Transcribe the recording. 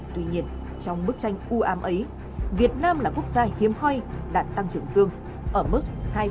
tuy nhiên trong bức tranh u ám ấy việt nam là quốc gia hiếm hoi đạt tăng trưởng dương ở mức hai chín mươi một